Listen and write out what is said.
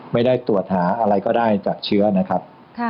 ไม่ได้ตรวจหาอะไรก็ได้จากเชื้อนะครับ